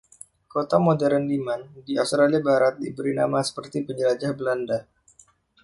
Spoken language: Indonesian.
Kota modern Leeman di Australia Barat diberi nama seperti penjelajah Belanda.